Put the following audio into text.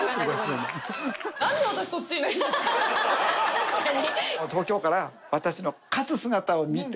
確かに。